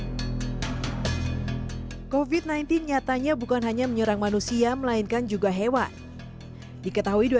hai kovid sembilan belas nyatanya bukan hanya menyerang manusia melainkan juga hewan diketahui dua